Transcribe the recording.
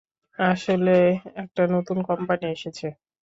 আসলে, একটা নতুন কোম্পানি এসেছে।